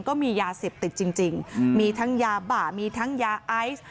ก็มียาเสพติดจริงมีทั้งยาบ้ามีทั้งยาไอซ์